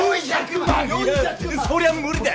そりゃ無理だ。